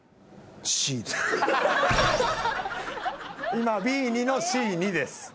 今Ｂ２のＣ２です。